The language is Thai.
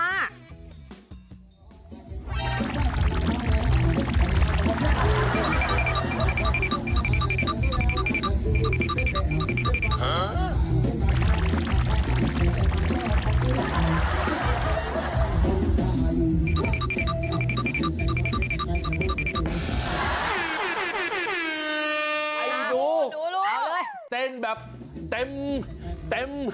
ไอ้หนูเต้นแบบเต็มเต็ม